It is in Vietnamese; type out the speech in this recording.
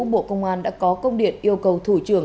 bộ công an đã có công điện yêu cầu thủ trưởng